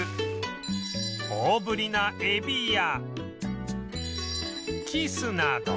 大ぶりなエビやキスなど